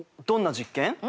どんな実験？